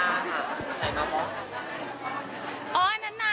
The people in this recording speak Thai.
อันนี้ต้องไปถามเขาค่ะ